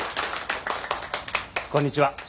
こんにちは。